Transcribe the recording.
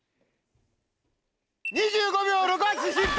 ２５秒６８失敗！